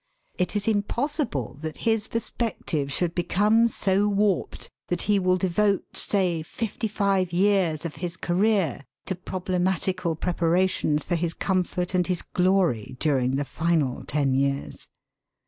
It is impossible that his perspective should become so warped that he will devote, say, fifty five years of his career to problematical preparations for his comfort and his glory during the final ten years.